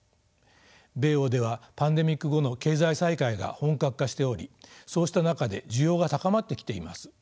米欧ではパンデミック後の経済再開が本格化しておりそうした中で需要が高まってきています。